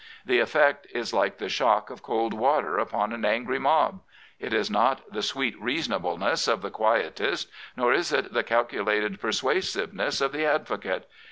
The effect is like the shock of cold water upon an angry mob. It is not the " sweet reasonableness '' of the quietist, nor is it the calculated persuasiveness of the advocate.